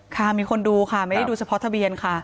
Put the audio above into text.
ค่ะมีคนดูค่ะไม่ได้ดูเฉพาะทะเบียนค่ะ